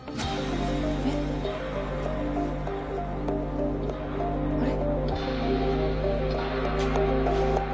えっ？あれ？